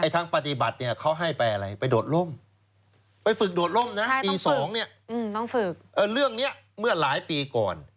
ทางปฏิบัติเนี่ยเขาให้ไปอะไรไปโดดร่มไปฝึกโดดร่มนะปี๒เรื่องนี้เมื่อหลายปีก่อน